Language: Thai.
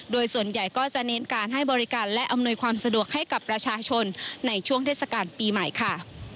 โดยส่วนใหญ่ก็จะเน้นการให้บริการและอำนวยความสะดวกให้กับประชาชนในช่วงเทศกาลปีใหม่ค่ะ